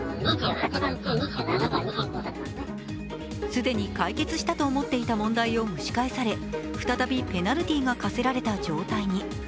既に解決したと思っていた問題を蒸し返され再びペナルティーが科せられた状態に。